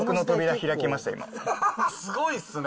すごいっすね。